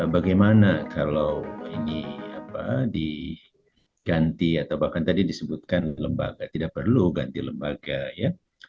bagaimana kalau ini diganti atau bahkan tadi disebutkan lembaga tidak perlu ganti lembaga ya